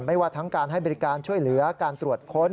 ว่าทั้งการให้บริการช่วยเหลือการตรวจค้น